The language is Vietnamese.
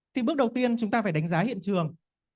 thì bước đầu tiên chúng ta phải đánh giá hiện trường